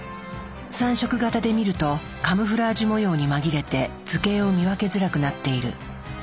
３色型で見るとカムフラージュ模様に紛れて図形を見分けづらくなっている。